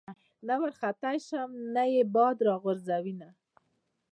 نه ورختی شم نه ئې باد را غورځوېنه